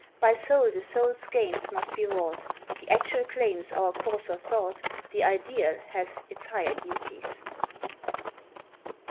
By soul the soul's gains must be wrought, The Actual claims our coarser thought, The Ideal hath its higher duties.